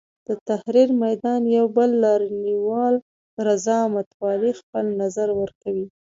د تحریر میدان یو بل لاریونوال رضا متوالي خپل نظر ورکوي.